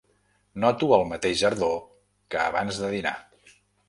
Noto el mateix ardor que abans de dinar.